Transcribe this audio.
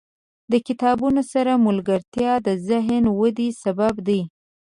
• د کتابونو سره ملګرتیا، د ذهن ودې سبب دی.